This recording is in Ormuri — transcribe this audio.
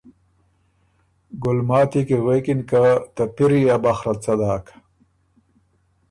ګلماتی کی غوېکِن که ”ته پِری ا بخره ت څۀ داک“